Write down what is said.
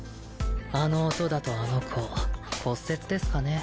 あの音だとあの子骨折ですかね？